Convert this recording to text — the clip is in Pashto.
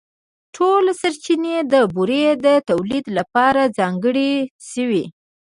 ټولې سرچینې د بورې د تولیدً لپاره ځانګړې شوې.